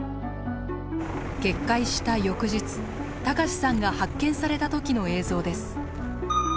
決壊した翌日孝さんが発見された時の映像です。